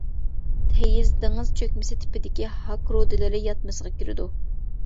تېيىز دېڭىز چۆكمىسى تىپىدىكى ھاك رۇدىلىرى ياتمىسىغا كىرىدۇ.